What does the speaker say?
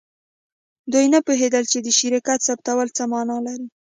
دوی نه پوهیدل چې د شرکت ثبتول څه معنی لري